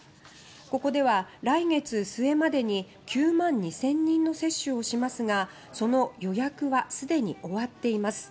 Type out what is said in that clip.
ここでは、来月末までに９万２０００人の接種をしますがその予約は既に終わっています。